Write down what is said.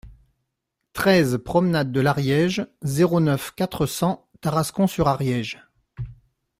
treize promenade de l'Ariège, zéro neuf, quatre cents, Tarascon-sur-Ariège